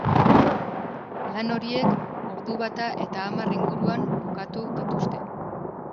Lan horiek ordu bata eta hamar inguruan bukatu dituzte.